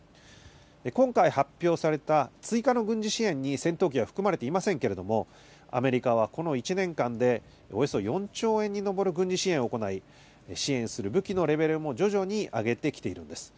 今回発表された追加の軍事支援に戦闘機は含まれていませんけれども、アメリカはこの１年間でおよそ４兆円に上る軍事支援を行い、支援する武器のレベルも徐々に上げてきているんです。